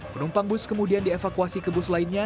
penumpang bus kemudian dievakuasi ke bus lainnya